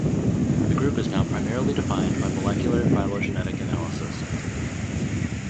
The group is now primarily defined by molecular phylogenetic analysis.